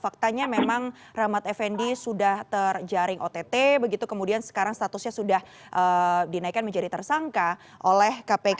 faktanya memang rahmat effendi sudah terjaring ott begitu kemudian sekarang statusnya sudah dinaikkan menjadi tersangka oleh kpk